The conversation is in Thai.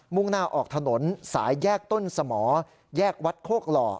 ่งหน้าออกถนนสายแยกต้นสมอแยกวัดโคกหล่อ